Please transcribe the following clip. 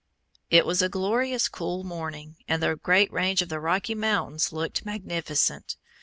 It was a glorious, cool morning, and the great range of the Rocky Mountains looked magnificent.